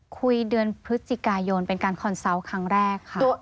เดือนพฤศจิกายนเป็นการคอนเซาต์ครั้งแรกค่ะ